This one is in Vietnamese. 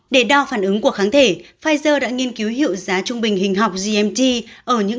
để đo phản ứng của kháng thể pfizer đã nghiên cứu hiệu giá trung bình hình học gmt ở những